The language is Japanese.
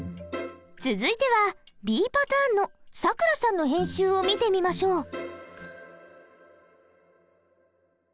続いてはＢパターンの咲桜さんの編集を見てみましょう。